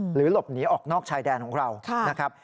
หลบหนีออกนอกชายแดนของเรานะครับ